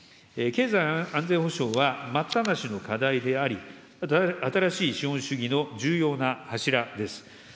経済安全保障は、待ったなしの課題であり、新しい資本主義の重要な柱です。